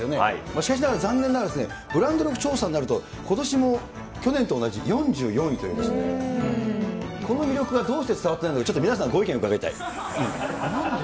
しかしながら、残念ながらですね、ブランド力調査になると、ことしも去年と同じ４４位というですね、この魅力がどうして伝わってないのか、ちょっと皆さん、なんでだろう。